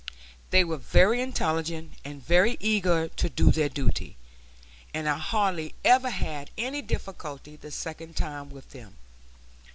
They were very intelligent and very eager to do their duty, and I hardly ever had any difficulty the second time with them.